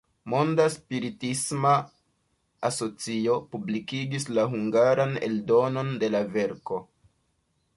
Monda Spiritisma Asocio publikigis la hungaran eldonon de la verko.